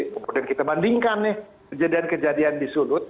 kemudian kita bandingkan kejadian kejadian di sulut